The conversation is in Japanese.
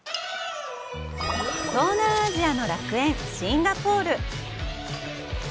東南アジアの楽園、シンガポール。